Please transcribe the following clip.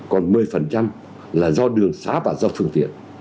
còn một mươi là do đường xá và do phương tiện